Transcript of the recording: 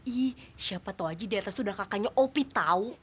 ih siapa tau aja diatas udah kakaknya op tau